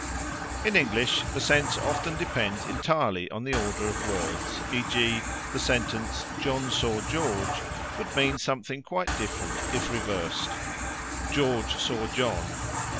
In English the sense often depends entirely on the order of the words, e.g., the sentence "John saw George" would mean something quite different if reversed "George saw John."